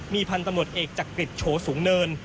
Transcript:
มีพันธุ์ตำรวจเอกจักริจโฉสูงเนิน